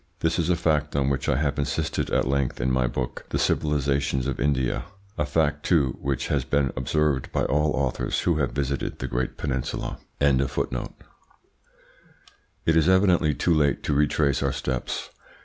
This is a fact on which I have insisted at length in my book, "The Civilisations of India" a fact, too, which has been observed by all authors who have visited the great peninsula. It is evidently too late to retrace our steps.